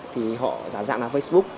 thì họ giả dạng là facebook